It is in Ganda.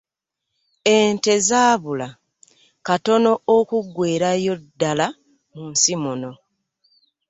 Ente zaabula katono okuggweerawo ddala mu nsi muno.